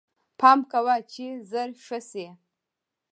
پال کوه چې زر ښه شې